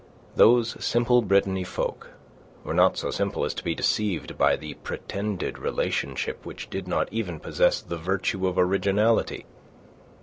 Those simple Brittany folk were not so simple as to be deceived by a pretended relationship which did not even possess the virtue of originality.